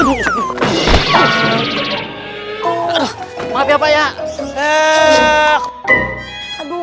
aduh mana sih aika sama pak